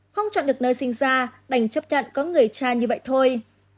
không chọn được nơi sinh ra đành chấp nhận có người cha như vậy thôi